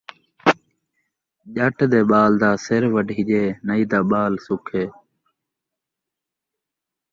ڄٹ دے ٻال دا سِر وڈھیجے ، نائی دا ٻال سکھے